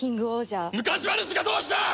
昔話がどうした！